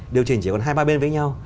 điều chỉnh chỉ còn hai ba bên với nhau